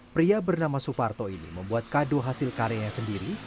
pria bernama suparto ini membuat kado hasil karyanya sendiri